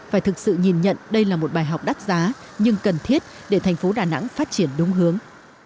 phải thực sự nhìn nhận đây là một bài học đắt giá nhưng cần thiết để thành phố đà nẵng phát triển đúng hướng